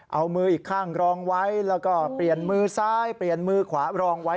เอามืออีกข้างรองไว้แล้วก็เปลี่ยนมือซ้ายเปลี่ยนมือขวารองไว้